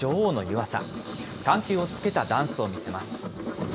緩急をつけたダンスを見せます。